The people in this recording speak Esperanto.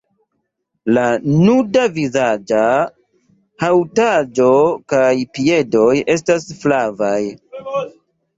La nuda vizaĝa haŭtaĵo kaj piedoj estas flavaj.